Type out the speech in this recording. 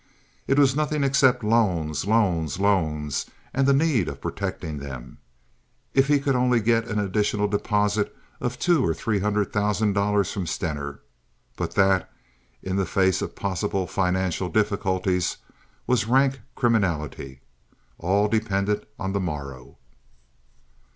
It was nothing except loans, loans, loans, and the need of protecting them. If he could only get an additional deposit of two or three hundred thousand dollars from Stener. But that, in the face of possible financial difficulties, was rank criminality. All depended on the morrow.